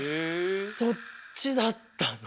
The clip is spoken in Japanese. そっちだったの？